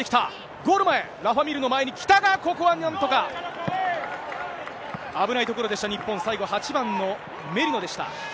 ゴール前、ラファ・ミルの前に北側、ここはなんとか、危ないところでした、最後、日本、８番のメリーノでした。